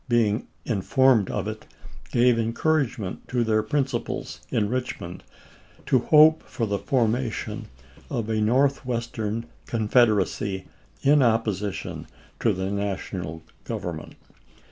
xiil being informed of it, gave encouragement to their principals in Richmond to hope for the formation of a Northwestern Confederacy in opposition to the National Government.